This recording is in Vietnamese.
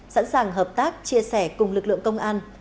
sẵn sàng hợp tác chia sẻ cùng lực lượng công an